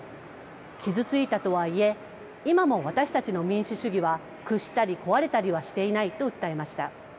傷ついたとはいえ今も私たちの民主主義は屈したり壊れたりはしていないと訴えました。